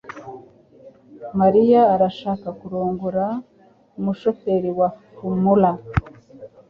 Mariya arashaka kurongora umushoferi wa Formula .